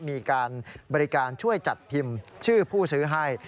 มีการบริการช่วยจัดพิมพ์ชื่อผู้ซื้อให้